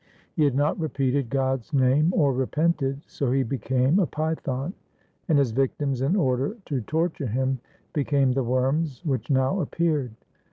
He had not repeated God's name or repented, so he became a python, and his victims in order to torture him, became the worms which now appeared.